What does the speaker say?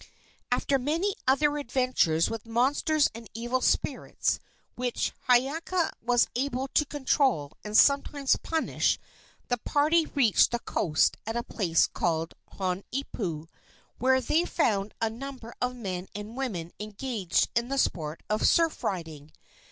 After many other adventures with monsters and evil spirits, which Hiiaka was able to control and sometimes punish, the party reached the coast at a place called Honoipo, where they found a number of men and women engaged in the sport of surf riding.